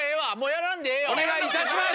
お願いいたします！